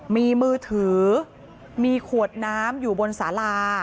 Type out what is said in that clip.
มีมือถือมีขวดน้ำอยู่บนสารา